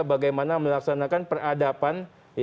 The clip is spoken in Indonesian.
bagaimana melaksanakan peradaban